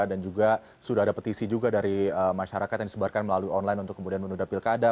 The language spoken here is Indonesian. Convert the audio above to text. dan juga sudah ada petisi juga dari masyarakat yang disebarkan melalui online untuk kemudian menunda pilkada